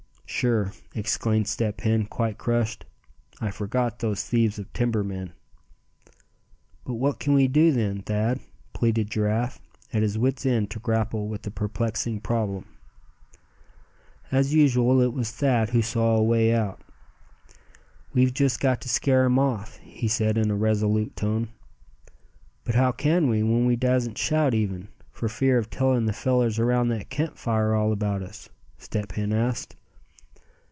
"Sure!" exclaimed Step Hen, quite crushed. "I forgot those thieves of timber men." "But what can we do, then, Thad;" pleaded Giraffe, at his wits' ends to grapple with the perplexing problem. As usual it was Thad who saw a way out. "We've just got to scare him off," he said, in a resolute tone. "But how can we, when we dassn't shout even, for fear of telling the fellers around that camp fire all about us?" Step Hen asked.